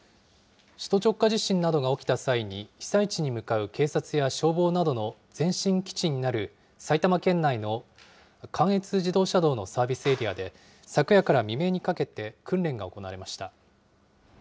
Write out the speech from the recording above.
首都直下地震などが起きた際に、被災地に向かう警察や消防などの前進基地になる、埼玉県内の関越自動車道のサービスエリアで、昨夜から未明にかけて訓練が行われました。